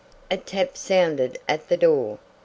A tap sounded at the door.